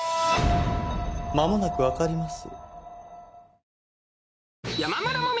まもなくわかります。